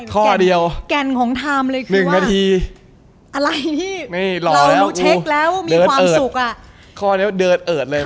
คอแน่วเดอร์ชเอิดเลยมันเขียนแคบเลย